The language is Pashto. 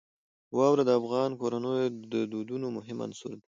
واوره د افغان کورنیو د دودونو مهم عنصر دی.